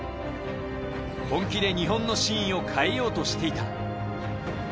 本気で日本のシーンを変えようとしていた。